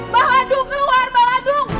mbah lanu keluar mbah lanu